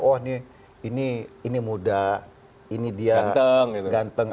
oh ini muda ini dia ganteng